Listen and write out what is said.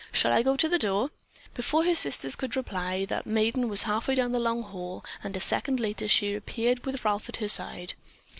Shall I go to the door?" Before her sisters could reply, that maiden was half way down the long hall, and a second later she reappeared with Ralph at her side.